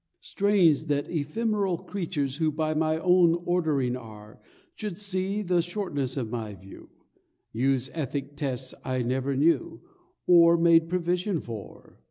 "Strange, that ephemeral creatures who By my own ordering are, Should see the shortness of my view, Use ethic tests I never knew, Or made provision for!"